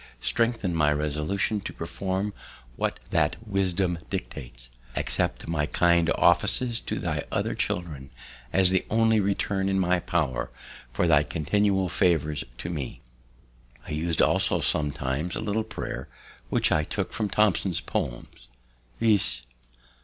Strengthen my resolutions to perform what that wisdom dictates. Accept my kind offices to thy other children as the only return in my power for thy continual favours to me_." I used also sometimes a little prayer which I took from Thomson's Poems, viz.